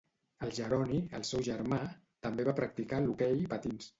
El Jeroni, el seu germà, també va practicar l'hoquei patins.